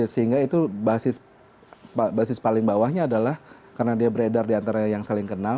sehingga itu basis paling bawahnya adalah karena dia beredar diantara yang saling kenal